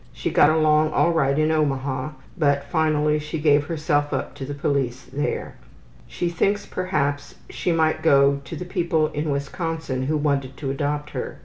She got along all right in Omaha, but finally she gave herself up to the police there. She thinks perhaps she might go up to the people in Wisconsin who wanted to adopt her.